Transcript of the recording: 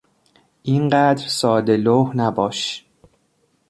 اینقدر ساده لوح نباش!